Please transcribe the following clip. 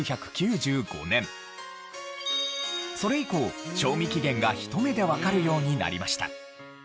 それ以降賞味期限がひと目でわかるようになりました。